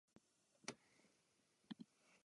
Je fanouškem fotbalového klubu Stoke City.